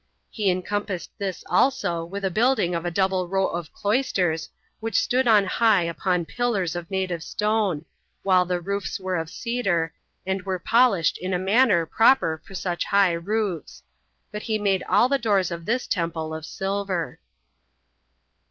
He encompassed this also with a building of a double row of cloisters, which stood on high upon pillars of native stone, while the roofs were of cedar, and were polished in a manner proper for such high roofs; but he made all the doors of this temple of silver.